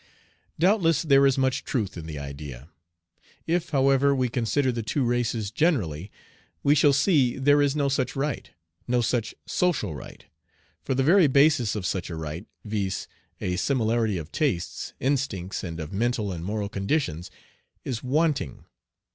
Doubtless there is much truth in the idea. If, however, we consider the two races generally, we shall see there is no such right, no such social right, for the very basis of such a right, viz., a similarity of tastes, instincts, and of mental and moral conditions, is wanting.